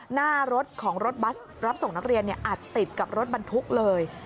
หน้ารถของรถบัสรับส่งนักเรียนอัดติดกับรถบรรทุกเลย